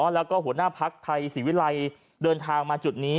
แล้วก็หัวหน้าภักดิ์ไทยศรีวิรัยเดินทางมาจุดนี้